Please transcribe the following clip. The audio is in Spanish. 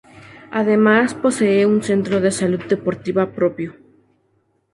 Además posee un centro de salud deportiva propio.